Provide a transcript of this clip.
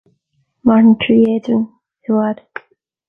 Maireann croí éadrom i bhfad